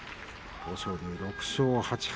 豊昇龍、６勝８敗。